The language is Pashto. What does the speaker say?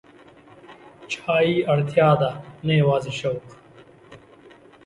چای ته اړتیا ده، نه یوازې شوق.